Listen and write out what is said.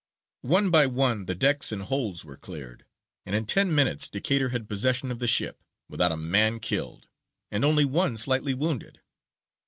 One by one the decks and holds were cleared, and in ten minutes Decatur had possession of the ship, without a man killed, and only one slightly wounded.